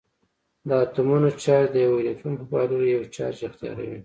د اتومونو چارج د یوه الکترون په بایللو یو چارج اختیاروي.